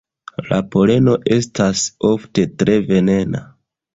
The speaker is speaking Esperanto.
La poleno estas ofte tre venena.